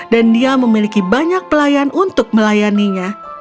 dan dia memiliki banyak pelayan untuk melayaninya